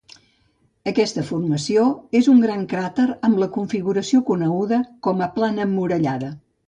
Aquesta formació és un gran cràter amb la configuració coneguda com a plana emmurallada.